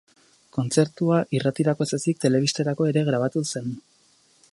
Kontzertua irratirako ez ezik telebistarako ere grabatu zen.